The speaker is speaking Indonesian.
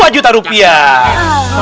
dua juta rupiah